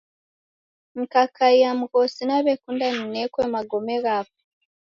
Nikakaia mghosi nawekunda ninekwe magome ghapo.